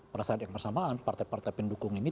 pada saat yang bersamaan partai partai pendukung ini